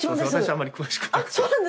あんまり詳しくなくて。